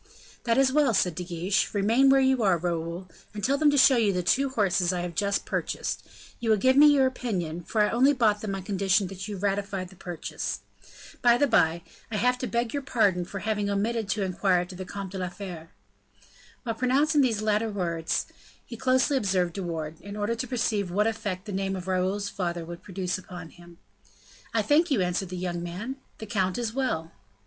"That is well," said De Guiche, "remain where you are, Raoul, and tell them to show you the two horses I have just purchased; you will give me your opinion, for I only bought them on condition that you ratified the purchase. By the by, I have to beg your pardon for having omitted to inquire after the Comte de la Fere." While pronouncing these latter words, he closely observed De Wardes, in order to perceive what effect the name of Raoul's father would produce upon him. "I thank you," answered the young man, "the count is very well."